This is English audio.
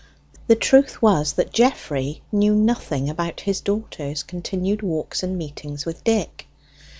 The truth was that Geoffrey knew nothing about his daughter's continued walks and meetings with Dick.